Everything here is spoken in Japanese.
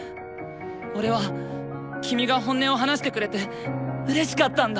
俺は君が本音を話してくれてうれしかったんだ。